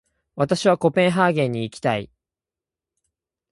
私はコペンハーゲンに行きたい。